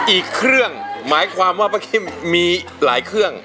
อีกเครื่องหมายความว่าป้าคิมมีหลายเครื่อง